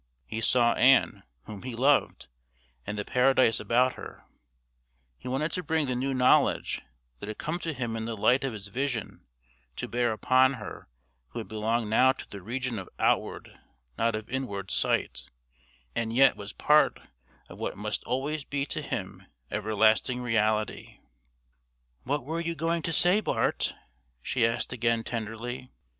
He saw Ann, whom he loved, and the paradise about her; he wanted to bring the new knowledge that had come to him in the light of his vision to bear upon her who belonged now to the region of outward not of inward sight and yet was part of what must always be to him everlasting reality. "What were you going to say, Bart?" she asked again tenderly.